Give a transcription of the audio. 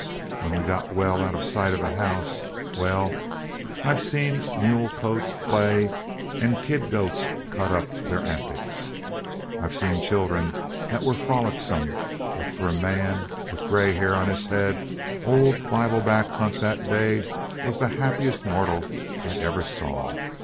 When we got well out of sight of the house well, I've seen mule colts play and kid goats cut up their antics; I've seen children that was frolicsome; but for a man with gray hair on his head, old Bibleback Hunt that day was the happiest mortal I ever saw.